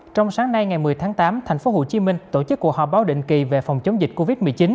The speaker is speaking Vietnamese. trong sáng nay ngày một mươi tháng tám tp hcm tổ chức cuộc họp báo định kỳ về phòng chống dịch covid một mươi chín